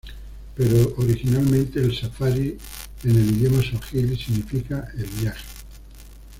Pero originalmente el "safari" en el idioma suajili significa el viaje.